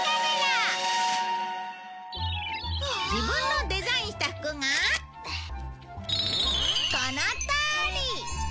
自分のデザインした服がこのとおり！